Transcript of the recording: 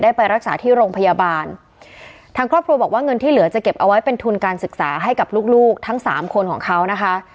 ไปรักษาที่โรงพยาบาลทางครอบครัวบอกว่าเงินที่เหลือจะเก็บเอาไว้เป็นทุนการศึกษาให้กับลูกลูกทั้งสามคนของเขานะคะ